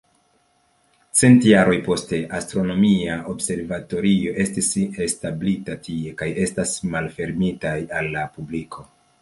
Cent jaroj poste, astronomia observatorio estis establita tie kaj estas malfermitaj al la publiko.